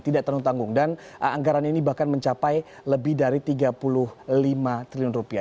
tidak tanggung tanggung dan anggaran ini bahkan mencapai lebih dari tiga puluh lima triliun rupiah